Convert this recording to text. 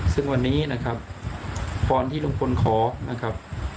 ซึ่งวันนี้นะครับพรที่ลุงพลขอนะครับ